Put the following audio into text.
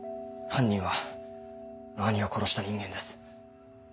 犯人は兄を殺した人間です。